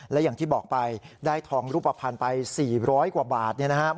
และอย่างที่บอกไปได้ทองรูปภัณฑ์ไป๔๐๐กว่าบาทเนี่ยนะครับ